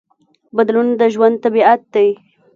بدلون د ژوند طبیعت دی.